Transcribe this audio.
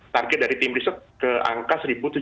target dari tim riset ke angka satu tujuh ratus